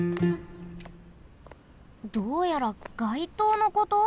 どうやら街灯のこと？